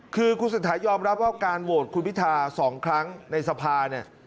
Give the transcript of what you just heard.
คือคุณเศรษฐายอมรับว่าการโหวตคุณพิทา๒ครั้งในสภาเนี่ย